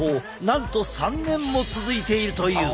なんと３年も続いているという。